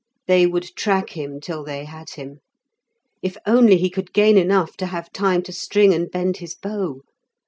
They would track him till they had him. If only he could gain enough to have time to string and bend his bow!